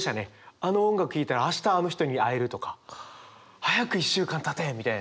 あの音楽聴いたら「明日あの人に会える」とか「早く１週間たて」みたいな。